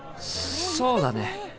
そうだね。